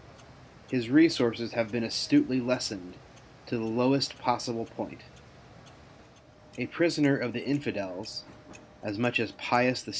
His resources have been astutely lessened to the lowest possible point. A prisoner of the Infidels, as much as Pius VI.